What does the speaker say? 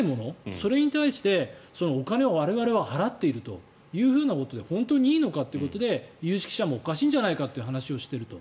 それに対してお金を我々は払っているということで本当にいいのかということで有識者もおかしいんじゃないかという話をしていると。